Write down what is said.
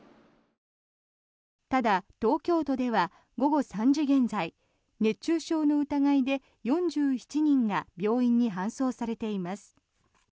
ただ、東京都では午後３時現在熱中症の疑いで４７人が病院に搬送されています。